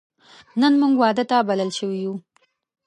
نن موږ واده ته بلل شوی یو